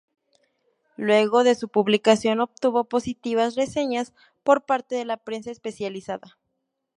Luego de su publicación obtuvo positivas reseñas por parte de la prensa especializada.